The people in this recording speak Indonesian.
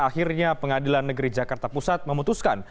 akhirnya pengadilan negeri jakarta pusat memutuskan